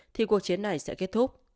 thì cuộc chiến này sẽ kết thúc